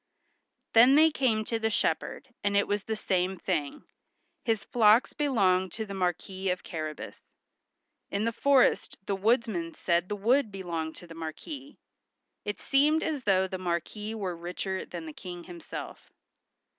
Then they came to the shepherd, and it was the same thing; his flocks belonged to the Marquis of Carrabas. In the forest the woodsmen said the wood belonged to the Marquis. It seemed as though the Marquis were richer than the King himself.